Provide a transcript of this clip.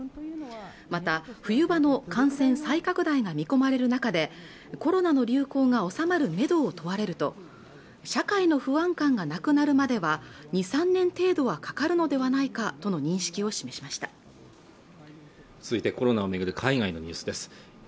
また冬場の感染再拡大が見込まれる中でコロナの流行がおさまるメドを問われると社会の不安感がなくなるまでは２３年程度はかかるのではないかとの認識を示しました